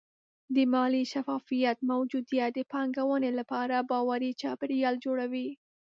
د مالي شفافیت موجودیت د پانګونې لپاره باوري چاپېریال جوړوي.